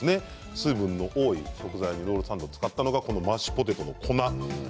水分の多い食材ロールサンドに使ったのがマッシュポテトの粉。